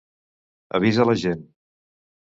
Avisa la gent!